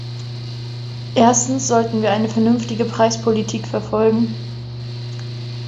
Erstens sollten wir eine vernünftige Preispolitik verfolgen.